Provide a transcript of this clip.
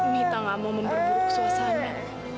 mita gak mau memperburuk suasana